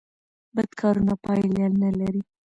بد کارونه پایله نلري